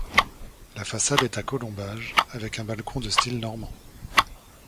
La façade est à colombage, avec un balcon de style normand.